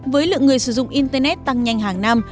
với lượng người sử dụng internet tăng nhanh hàng năm